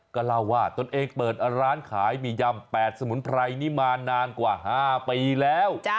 ก็เล่าว่าตนเองเปิดร้านขายหมี่ยำ๘สมุนไพรนี้มานานกว่า๕ปีแล้ว